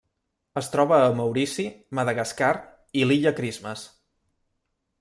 Es troba a Maurici, Madagascar i l'Illa Christmas.